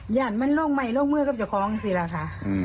หยั่นมันโรคใหม่โรคเมื่อก็จะคล้องสิล่ะค่ะ